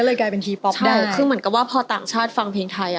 อ่าคือเหมือนก็ว่าต่างชาติฟังเพลงไทย